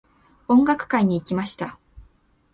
音楽会に行きました。